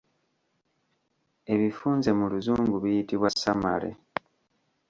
Ebifunze mu Luzungu biyitibwa 'Summary'.